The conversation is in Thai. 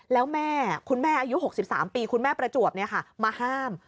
แล้วแม่คุณแม่อายุ๖๓ปีคุณแม่ประจวบมาห้าม